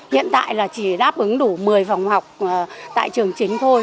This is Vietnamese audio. hiện tại là chỉ đáp ứng đủ một mươi phòng học tại trường chính thôi